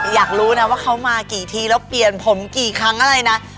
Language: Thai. อยากรู้นะว่าเขามากี่ทีแล้วเปลี่ยนผมกี่ครั้งอะไรนะ